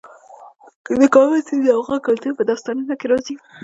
د کابل سیند د افغان کلتور په داستانونو کې راځي.